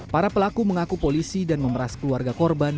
para pelaku mengaku polisi dan memeras keluarga korban